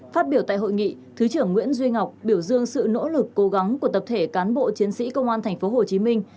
phát biểu tại hội nghị thứ trưởng nguyễn duy ngọc biểu dương sự nỗ lực cố gắng của tập thể cán bộ chiến sĩ công an thành phố hồ chí minh